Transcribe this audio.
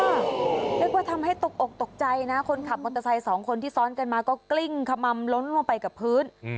เรียกว่าทำให้ตกอกตกใจนะคนขับมอเตอร์ไซค์สองคนที่ซ้อนกันมาก็กลิ้งขม่ำล้นลงไปกับพื้น